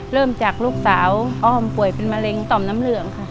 เริ่มจากลูกสาวอ้อมป่วยเป็นมะเร็งต่อมน้ำเหลืองค่ะ